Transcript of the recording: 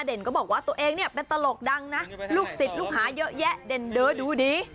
ก็บอกว่าตัวเองเนี่ยเป็นตลกดังนะลูกศิษย์ลูกหาเยอะแยะเด่นเด้อดูดี